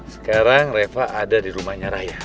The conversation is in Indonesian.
sekarang reva ada di rumahnya raya